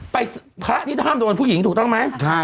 พระนี่ห้ามโดนผู้หญิงถูกต้องไหม